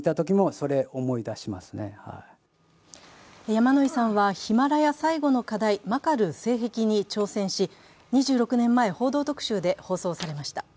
山野井さんはヒマラヤ最後の課題、マカルー西壁に挑戦し２６年前「報道特集」で放送されました。